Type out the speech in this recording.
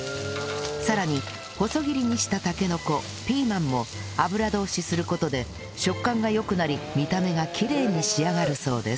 さらに細切りにしたたけのこピーマンも油通しする事で食感が良くなり見た目がきれいに仕上がるそうです